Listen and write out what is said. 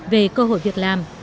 về cơ hội việc làm